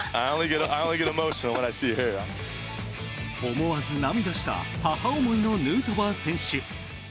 思わず涙した母思いのヌートバー選手。